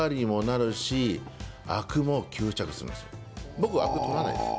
僕は、アク取らないんです。